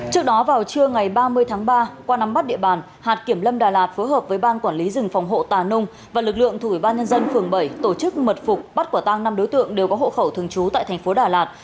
trước đó vào trưa ngày ba mươi tháng ba qua nắm bắt địa bàn hạt kiểm lâm đà lạt phối hợp với ban quản lý rừng phòng hộ tà nung và lực lượng thủ ủy ban nhân dân phường bảy tổ chức mật phục bắt quả tăng năm đối tượng đều có hộ khẩu thường trú tại thành phố đà lạt